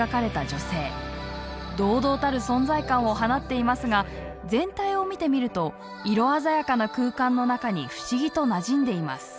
堂々たる存在感を放っていますが全体を見てみると色鮮やかな空間の中に不思議となじんでいます。